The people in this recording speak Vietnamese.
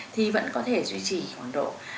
thì vẫn có thể duy trì khoảng độ